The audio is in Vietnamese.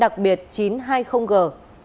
chuyên án đặc biệt chín trăm hai mươi g